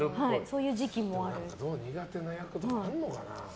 苦手な役あるのかな？